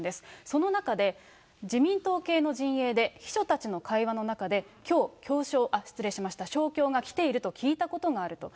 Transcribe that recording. その中で、自民党系の陣営で、秘書たちの会話の中で、勝共が来ていると聞いたことがあると。